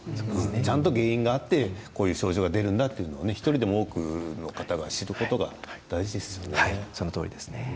ちゃんと原因があってこういう症状が出るんだと１人でも多くの方が知ることが大事ですね。